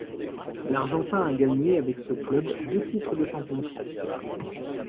L'argentin a gagné avec ce club deux titres de champion de France.